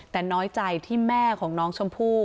แต่น้อยใจที่แม่ของน้องชมพู่